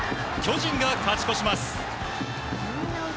巨人が勝ち越します。